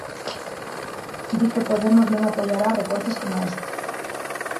Di que Podemos non apoiará recortes coma este.